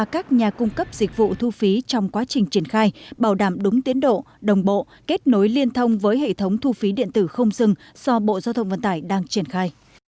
các nhà cung cấp dịch vụ thu phí trong quá trình triển khai bảo đảm đúng tiến độ đồng bộ kết nối liên thông với hệ thống thu phí điện tử không dừng do bộ giao thông vận tải đang triển khai